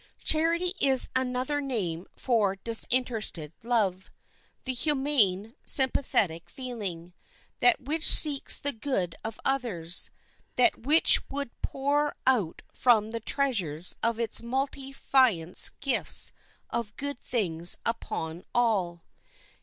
Charity is another name for disinterested love—the humane, sympathetic feeling—that which seeks the good of others; that which would pour out from the treasures of its munificence gifts of good things upon all.